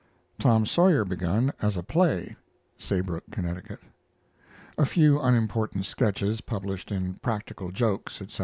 TOM SAWYER begun as a play (Saybrook, Connecticut). A few unimportant sketches published in "Practical jokes," etc.